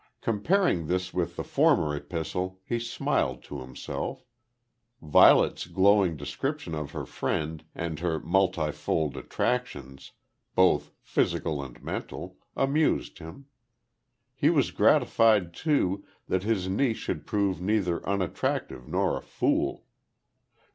Comparing this with the former epistle he smiled to himself. Violet's glowing description of her friend, and her multifold attractions, both physical and mental, amused him. He was gratified, too, that his niece should prove neither unattractive nor a fool.